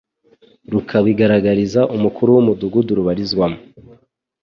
rukabigaragariza umukuru w'umudugudu rubarizwamo,